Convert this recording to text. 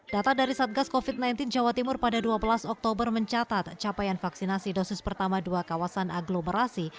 data dari satgas covid sembilan belas jawa timur pada dua belas oktober mencatat capaian vaksinasi dosis pertama dua kawasan aglomerasi